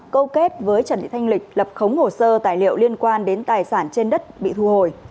câu kết với trần thị thanh lịch lập khống hồ sơ tài liệu liên quan đến tài sản trên đất bị thu hồi